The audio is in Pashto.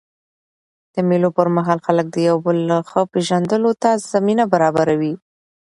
د مېلو پر مهال خلک د یو بل لا ښه پېژندلو ته زمینه برابروي.